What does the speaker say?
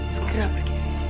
sekarang pergi dari sini